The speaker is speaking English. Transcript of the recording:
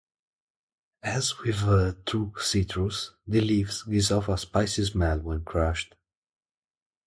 As with true citrus, the leaves give off a spicy smell when crushed.